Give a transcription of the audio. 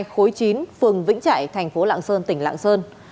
khối chín phường vĩnh trại tp lạng sơn tỉnh lạng sơn